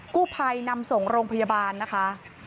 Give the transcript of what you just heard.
กู้ภัยนำส่งโรงพยาบาลนะคะ